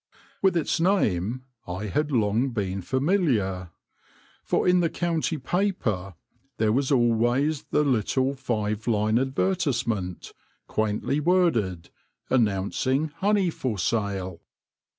With its name I had long been familiar, for in the county paper there was always the little five line advertisement, quaintly worded, announcing honey for sale.